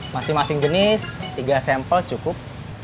masing masing jenis tiga sampel cukup